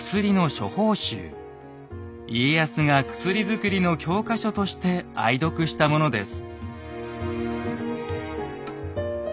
家康が薬づくりの教科書として愛読したものです。